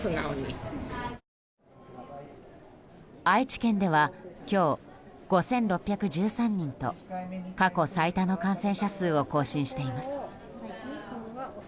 愛知県では今日５６１３人と過去最多の感染者数を更新しています。